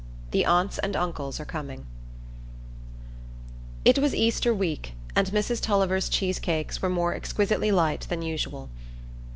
The Aunts and Uncles Are Coming It was Easter week, and Mrs Tulliver's cheesecakes were more exquisitely light than usual.